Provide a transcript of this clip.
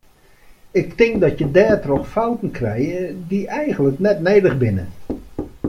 Ik tink dat je dêrtroch fouten krije dy eigenlik net nedich binne.